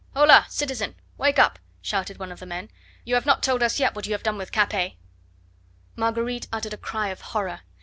"Hola, citizen! Wake up," shouted one of the men; "you have not told us yet what you have done with Capet!" Marguerite uttered a cry of horror.